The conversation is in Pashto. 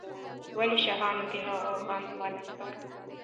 ولې شاهانو د هغې غم ونه کړ؟